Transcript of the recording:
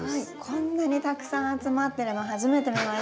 こんなにたくさん集まってるの初めて見ました。